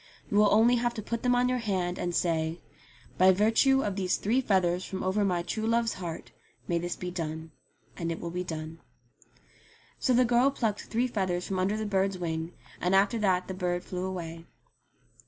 You will only have to put them on your hand, and say, * By virtue of these three feathers from over my true love's heart may this be done,' and it will be done." So the girl plucked three feathers from under the bird's wing, and after that the bird flew away.